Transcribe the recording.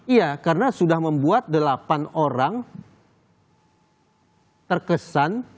iya karena sudah membuat delapan orang terkesan